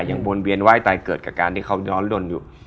วนเวียนไหว้ตายเกิดกับการที่เขาย้อนลนอยู่